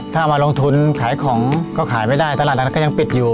ถ้ามาลงทุนขายของก็ขายไม่ได้ตลาดนัดก็ยังปิดอยู่